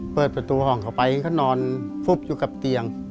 เปิดประตูห้องเขาไปเขานอนฟุบอยู่กับเตียง